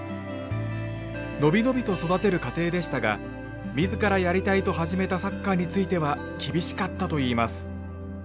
伸び伸びと育てる家庭でしたが自らやりたいと始めたサッカーについては厳しかったといいます。